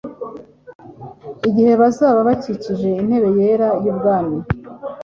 igihe bazaba bakikije intebe yera y’ubwami.